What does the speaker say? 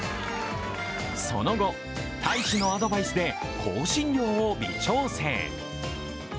その後、大使のアドバイスで香辛料を微調整。